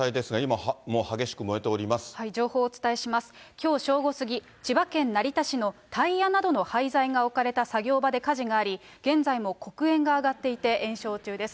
きょう正午過ぎ、千葉県成田市のタイヤなどの廃材が置かれた作業場で火事があり、現在も黒煙が上がっていて、延焼中です。